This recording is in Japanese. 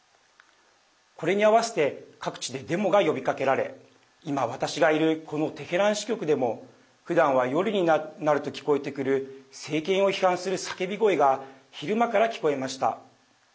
これに合わせて各地でデモが呼びかけられ今、私がいるこのテヘラン支局でもふだんは夜になると聞こえてくる政権を批判する叫び声が昼間から聞こえました。